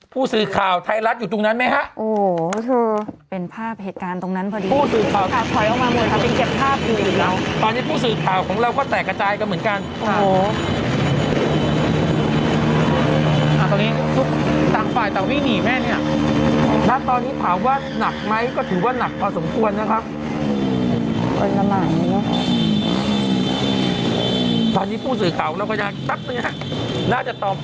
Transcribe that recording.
ผู้สือข่าวไทยรัฐอยู่ตรงนั้นไหมฮะ